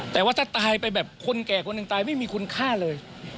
แต่ว่าถ้าตายไปแบบคนแก่คนหนึ่งตายไม่มีคุณค่าเลย